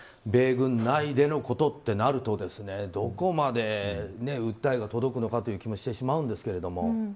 米軍内でのことってなるとどこまで訴えが届くのかという気もしてしまうんですけど。